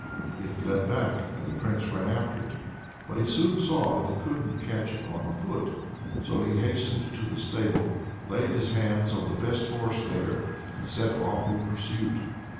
It fled back, and the Prince ran after it. But he soon saw that he couldn't catch it on foot, so he hastened to the stable, laid his hands on the best horse there, and set off in pursuit.